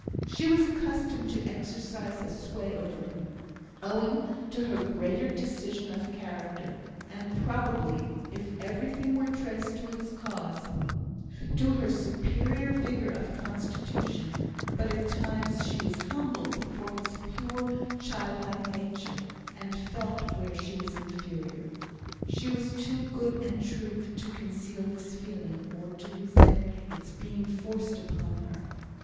She was accustomed to exercise a sway over him, owing to her greater decision of character, and, probably, if everything were traced to its cause, to her superior vigour of constitution; but at times she was humbled before his pure, childlike nature, and felt where she was inferior. She was too good and true to conceal this feeling, or to resent its being forced upon her.